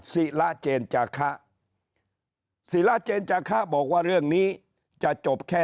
ศิระเจนจาคะศิระเจนจาคะบอกว่าเรื่องนี้จะจบแค่